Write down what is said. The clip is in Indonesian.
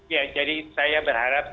iya jadi saya berharap